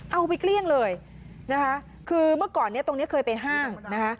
เกลี้ยงเลยนะคะคือเมื่อก่อนเนี้ยตรงนี้เคยไปห้างนะคะ